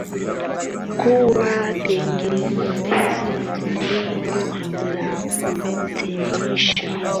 kuwa tegemezi lengo la kudumisha opiati ni kutoa vipimo